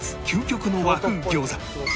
究極の和風餃子